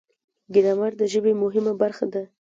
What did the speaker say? ګرامر د ژبې مهمه برخه ده.